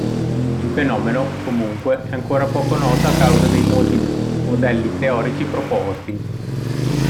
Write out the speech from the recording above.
Il fenomeno, comunque, è ancora poco noto a causa dei molti modelli teorici proposti.